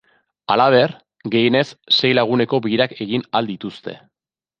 Halaber, gehienez sei laguneko bilerak egin ahal dituzte.